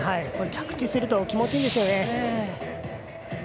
着地すると気持ちいいんですよね。